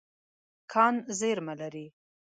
کان زیرمه لري.